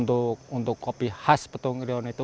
untuk kopi khas petung rion itu